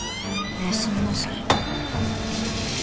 おやすみなさい